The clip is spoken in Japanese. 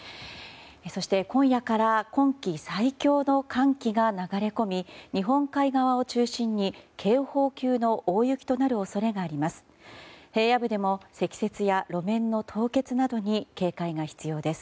そして今夜から今季最強の寒気が流れ込み日本海側を中心に、警報級の大雪となる恐れがあります。